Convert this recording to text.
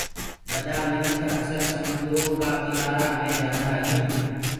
ٻڏآ مينک اڪسر سموندرو ڪو ڪنآرآ مي جآندآ هينٚ۔